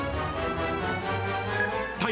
タイ